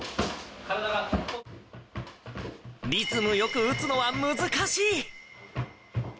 リズムよく打つのは難しい。